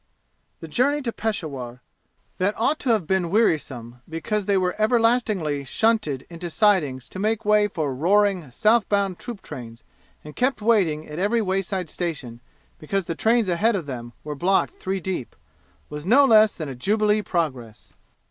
The journey to Peshawur, that ought to have been wearisome because they were everlastingly shunted into sidings to make way for roaring south bound troop trains and kept waiting at every wayside station because the trains ahead of them were blocked three deep, was no less than a jubilee progress!